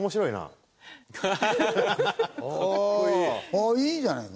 あっいいじゃない。